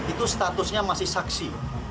itu statusnya masih saksi